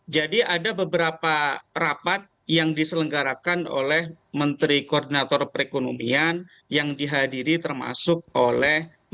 jadi ada beberapa rapat yang diselenggarakan oleh menteri koordinator rekonomian yang dihadiri termasuk oleh menteri perdagangan